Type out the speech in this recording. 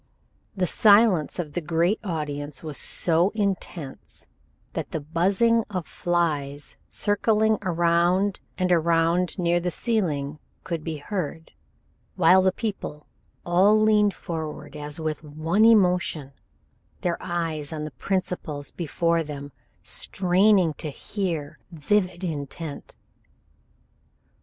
The silence of the great audience was so intense that the buzzing of flies circling around and around near the ceiling could be heard, while the people all leaned forward as with one emotion, their eyes on the principals before them, straining to hear, vivid, intent.